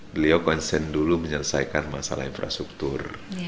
beliau konsen dulu menyelesaikan masalah infrastruktur